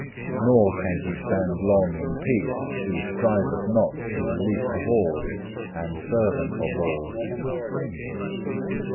Nor can he stand long in peace, who striveth not to be least of all and servant of all.